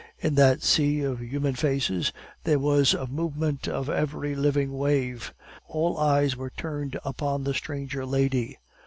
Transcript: In that sea of human faces there was a movement of every living wave; all eyes were turned upon the stranger lady.